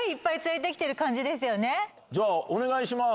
じゃあお願いします。